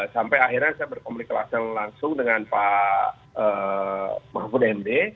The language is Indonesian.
sampai akhirnya saya berkomunikasi langsung dengan pak mahfud md